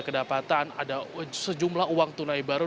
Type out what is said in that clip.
kedapatan ada sejumlah uang tunai baru